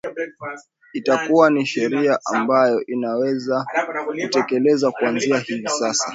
itakuwa ni sheria ambayo inaweza kutekelezeka kuanzia hivi sasa